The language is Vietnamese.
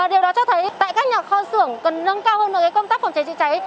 điều đó cho thấy tại các nhà kho xưởng cần nâng cao hơn công tác phòng cháy trị cháy